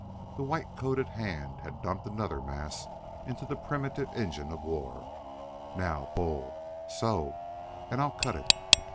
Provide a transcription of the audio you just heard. The white coated hand had dumped another mass into the primitive engine of war. "Now pull so and I cut it!"